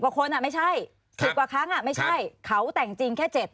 กว่าคนไม่ใช่๑๐กว่าครั้งไม่ใช่เขาแต่งจริงแค่๗